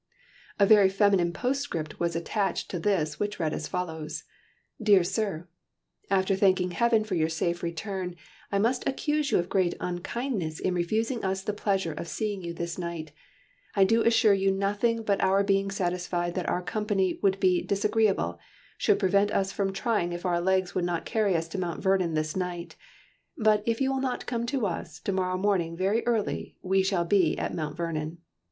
A very feminine postscript was attached to this which read as follows: "DEAR SIR "After thanking Heaven for your safe return, I must accuse you of great unkindness in refusing us the pleasure of seeing you this night. I do assure you nothing but our being satisfied that our company would be disagreeable, should prevent us from trying if our Legs would not carry us to Mount Vernon this night, but if you will not come to us, to morrow morning very early we shall be at Mount Vernon.